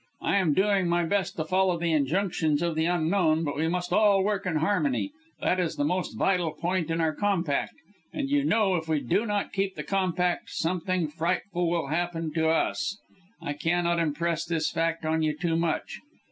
I am doing my best to follow the injunctions of the Unknown, but we must all work in harmony that is the most vital point in our compact, and you know if we do not keep the compact something frightful will happen to us. I can't impress this fact on you too much.